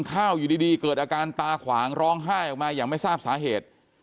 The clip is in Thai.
ข้าวอยู่ดีเกิดอาการตาขวางร้องไห้ออกมาอย่างไม่ทราบสาเหตุ